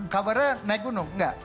kabarnya naik gunung enggak